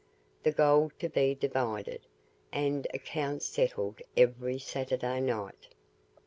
The gold to be divided, and accounts settled every Saturday night.